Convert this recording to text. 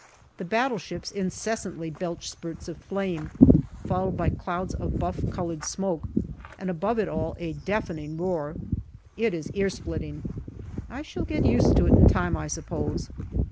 The battleships incessantly belch spurts of flame, followed by clouds of buff coloured smoke, and above it all a deafening roar. It is ear splitting. I shall get used to it in time, I suppose.